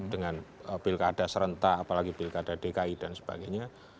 dengan pilkada serentak apalagi pilkada dki dan sebagainya